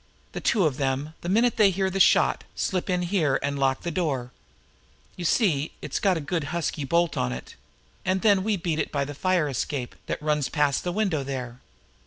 The two of them, the minute they hear the shot, slip in here, and lock the door you see it's got a good, husky bolt on it and then we beat it by the fire escape that runs past that window there.